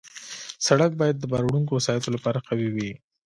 سړک باید د بار وړونکو وسایطو لپاره قوي وي.